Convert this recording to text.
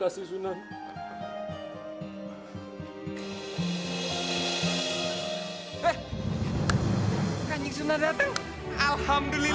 kanjeng sunan rawuh